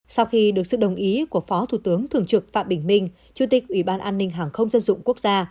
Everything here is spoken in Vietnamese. sau khi được sự đồng ý của phó thủ tướng thường trực phạm bình minh chủ tịch ủy ban an ninh hàng không dân dụng quốc gia